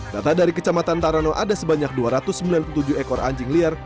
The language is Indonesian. data dari kecamatan tarono ada sebanyak dua ratus sembilan puluh tujuh ekor anjing liar